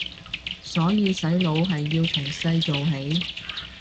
所以洗腦係要由細做起